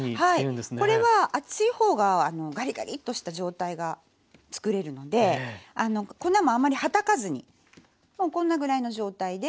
これは厚い方がガリガリッとした状態が作れるので粉もあまりはたかずにもうこんなぐらいの状態で。